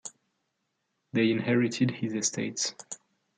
They inherited his estates.